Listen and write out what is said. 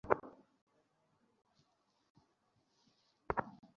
চলে এসো, হক-টু।